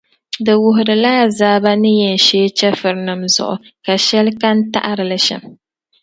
Di wuhirila azaaba ni yɛn shee chεfurinima zuɣu ka shɛli kani taɣiri li shɛm.